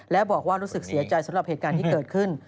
และบอกว่ารู้สึกเสียใจสำหรับเหตุการณ์ที่เกิดขึ้น